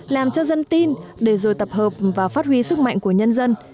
làm cho dân tin để rồi tập hợp và phát huy sức mạnh của nhân dân